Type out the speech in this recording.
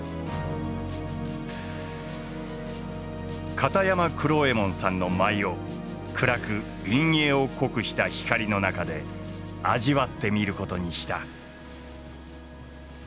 片山九郎右衛門さんの舞を暗く陰影を濃くした光の中で味わってみることにした。